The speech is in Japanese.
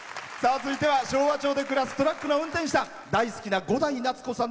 続いては昭和町で暮らすトラックの運転手さん。